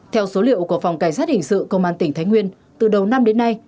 theo số liệu của phòng cảnh sát hình sự công an tỉnh thái nguyên từ đầu năm đến nay